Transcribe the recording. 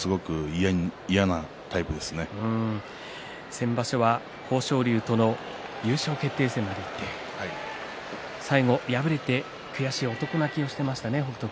先場所は豊昇龍との優勝決定戦最後、敗れて悔しい男泣きをしていました北勝